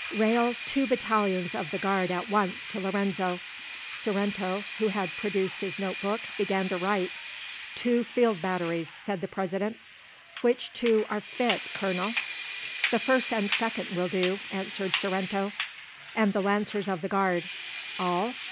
"Rail two battalions of the Guard at once to Lorenzo." Sorrento, who had produced his note book, began to write. "Two field batteries," said the President. "Which two are fit, Colonel?" "The first and second will do," answered Sorrento. "And the Lancers of the Guard." "All?"